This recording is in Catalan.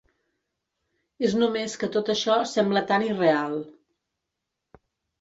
És només que tot això sembla tan irreal.